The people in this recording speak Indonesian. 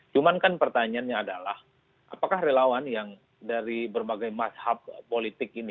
cuman kan pertanyaannya adalah apakah relawan yang dari berbagai mazhab politik ini